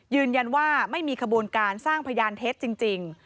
ยืนยันว่าไม่มีขบวนการสร้างพยานเท็จจริง